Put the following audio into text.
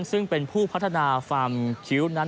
ซึ่งเป็นผู้พัฒนาฟาร์มคิ้วนั้น